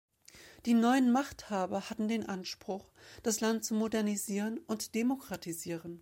Die neuen Machthaber hatten den Anspruch, das Land zu modernisieren und demokratisieren.